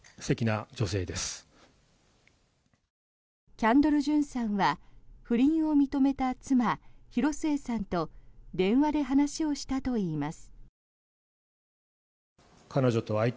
キャンドル・ジュンさんは不倫を認めた妻・広末さんと電話で話をしたといいます。